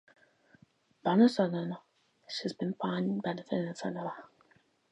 Paradoxically this has been in fine quite beneficial for Aristide Briand.